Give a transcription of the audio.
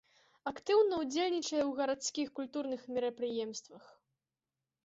Актыўна ўдзельнічае ў гарадскіх культурных мерапрыемствах.